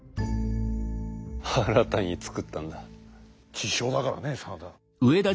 知将だからね真田。